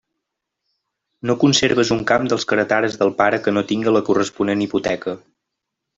No conserves un camp dels que heretares del pare que no tinga la corresponent hipoteca.